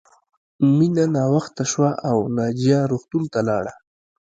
مینه ناوخته شوه او ناجیه روغتون ته لاړه